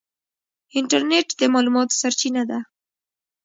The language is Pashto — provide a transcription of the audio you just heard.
انټرنیټ د معلوماتو سرچینه ده.